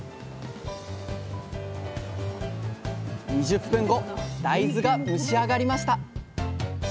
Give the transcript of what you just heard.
２０分後大豆が蒸し上がりました